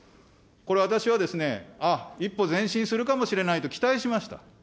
これ、私はですね、ああ、一歩前進するかもしれないと期待しました。